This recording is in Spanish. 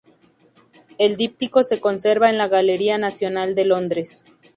El díptico se conserva en la Galería Nacional de Londres.